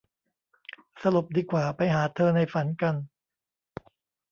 สลบดีกว่า ไปหาเธอในฝันกัน